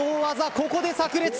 ここでさく裂。